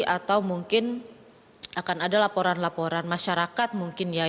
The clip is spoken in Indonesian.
atau mungkin akan ada laporan laporan masyarakat mungkin ya